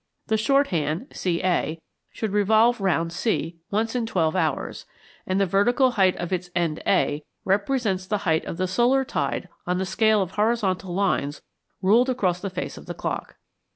The short hand, CA, should revolve round C once in twelve hours, and the vertical height of its end A represents the height of the solar tide on the scale of horizontal lines ruled across the face of the clock.